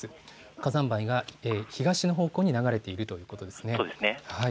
火山灰が東の方向に流れているということですね。